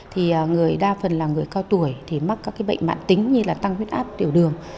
thì người đa phần là người cao tuổi thì mắc các cái bệnh mạng tính như là tăng huyết áp tiểu đường